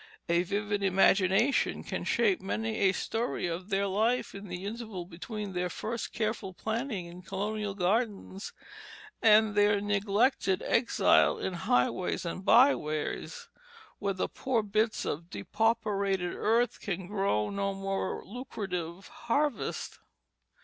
A vivid imagination can shape many a story of their life in the interval between their first careful planting in colonial gardens and their neglected exile to highways and byways, where the poor bits of depauperated earth can grow no more lucrative harvest.